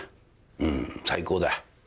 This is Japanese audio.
うん最高だ。